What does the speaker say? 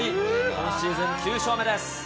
今シーズン９勝目です。